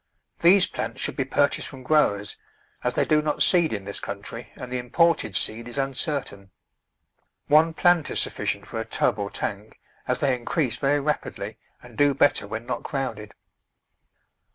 These plants should be purchased from growers, as they do not seed in this country and the imported seed is uncertain. One plant is sufficient for a tub or tank, as they increase very rapidly and do better when not crowded.